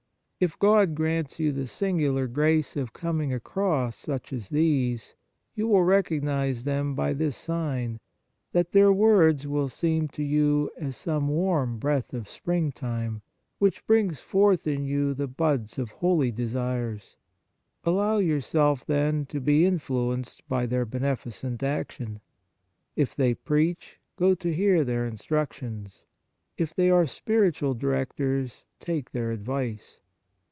If God grants you the singular grace of coming across such as these, you will recognize 116 Instructions and Reading them by this sign, that their words will seem to you as some warm breath of springtime, which brings forth in you the buds of holy desires. Allow yourself, then, to be influenced by their beneficent action. If they preach, go to hear their instructions ; if they are spiritual directors, take their advice.